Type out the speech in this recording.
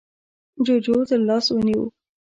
جُوجُو تر لاس ونيو: